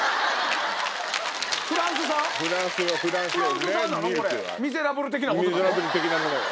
フランスよ。